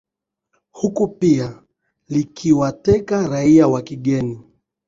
huku pia likiwa teka raia wa kigeni